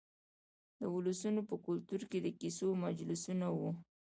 د ولسونو په کلتور کې د کیسو مجلسونه وو.